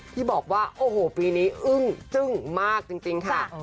ที่บอกว่าโอ้โหปีนี้อึ้งจึ้งมากจริงค่ะ